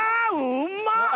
うんまっ！